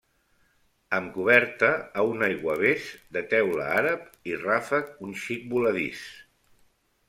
Amb coberta a un aiguavés de teula àrab i ràfec un xic voladís.